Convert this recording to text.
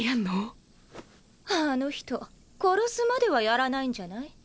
あの人殺すまではやらないんじゃない？